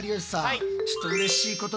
はい。